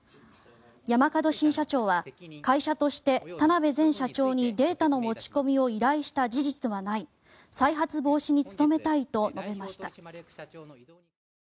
山角新社長は会社として田辺前社長にデータの持ち込みを依頼した事実はない再発防止に努めたいと述べました。